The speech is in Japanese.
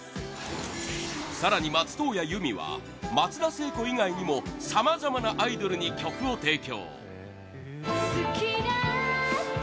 更に松任谷由実は松田聖子以外にもさまざまなアイドルに曲を提供